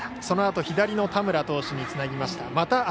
そのあと左の田村投手につなぎました。